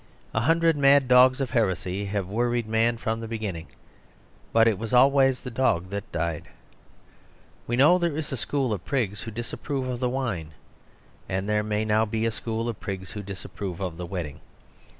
A hundred mad dogs of heresy have worried man from the begin ning; but it was always the dog that died. We know there is a school of prigs who disap prove of the wine; and there may now be a school of prigs who disapprove of the wed ding.